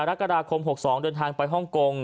กรกฎาคม๖๒เดินทางไปฮ่องกง